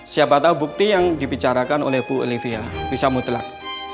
siapa tahu bukti yang dibicarakan oleh bu olivia bisa mutlak